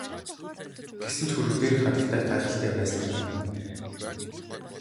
Гэсэн ч хөрөг дээрх хатагтай гайхалтай байсан санагдана.